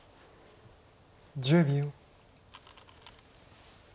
１０秒。